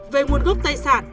về nguồn gốc tài sản